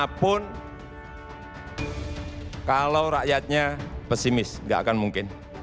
dimanapun kalau rakyatnya pesimis tidak akan mungkin